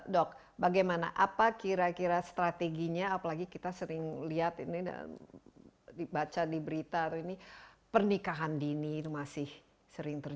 dok bagaimana apa kira kira strateginya apalagi kita sering lihat ini dan dibaca di berita atau ini pernikahan dini itu masih sering terjadi